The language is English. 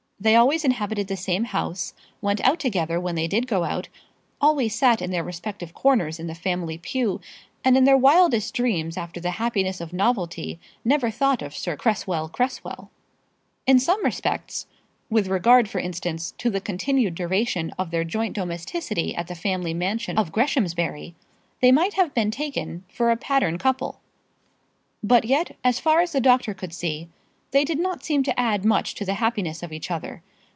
They always inhabited the same house, went out together when they did go out, always sat in their respective corners in the family pew, and in their wildest dreams after the happiness of novelty never thought of Sir Cresswell Cresswell. In some respects with regard, for instance, to the continued duration of their joint domesticity at the family mansion of Greshamsbury they might have been taken for a pattern couple. But yet, as far as the doctor could see, they did not seem to add much to the happiness of each other.